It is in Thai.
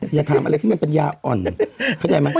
อย่าถามอะไรมันเป็นปัญญาอ่อน